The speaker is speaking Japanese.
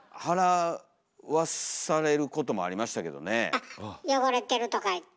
あっ汚れてるとかいって？